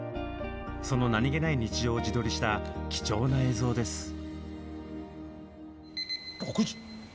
その何気ない日常を自撮りした貴重な映像です。